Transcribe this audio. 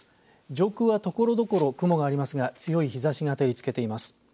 上空はところどころ雲がありますが強い日ざしが照りつけています。